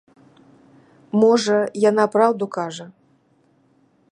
Можа, яна праўду кажа.